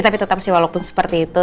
tapi tetap sih walaupun seperti itu